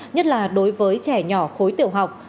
nhất là đối với trẻ nhỏ khối tiểu học